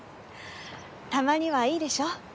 たまにはいいでしょ？